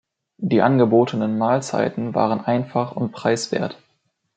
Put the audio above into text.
Die angebotenen Mahlzeiten waren einfach und preiswert.